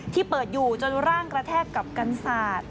ที่เปิดอยู่จนร่างกระแทกกับกันศาสตร์